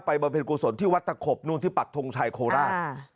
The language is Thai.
บำเพ็ญกุศลที่วัดตะขบนู่นที่ปักทงชัยโคราช